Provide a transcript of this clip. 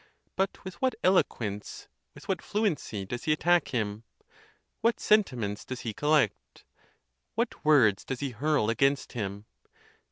But with what eloquence, with what fluency, does he attack him!. what sentiments does he collect! what words does he hurl against him!